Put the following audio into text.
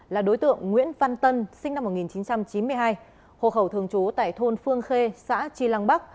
là đối tượng nguyễn văn tân sinh năm một nghìn chín trăm chín mươi hai hộ khẩu thường trú tại thôn phương khê xã tri lăng bắc